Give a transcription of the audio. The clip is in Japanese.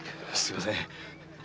すみません。